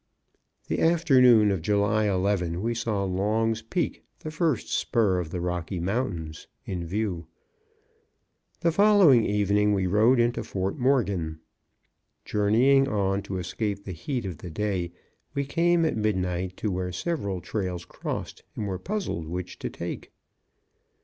The afternoon of July 11, we saw Long's Peak, the first spur of the Rocky Mountains, in view. The following evening we rode into Fort Morgan. Journeying on, to escape the heat of the day, we came at midnight to where several trails crossed, and were puzzled which to take.